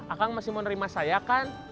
akan masih menerima saya kan